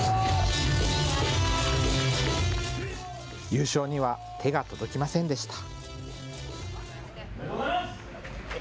優勝には手が届きませんでした。